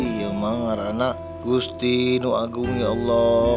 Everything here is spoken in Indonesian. iya emang karena gusti nuk agung ya allah